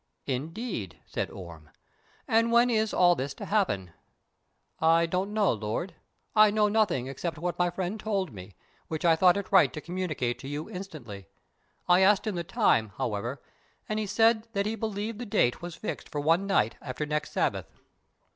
"Indeed," said Orme, "and when is all this to happen?" "I don't know, lord. I know nothing except what my friend told me, which I thought it right to communicate to you instantly. I asked him the time, however, and he said that he believed the date was fixed for one night after next Sabbath."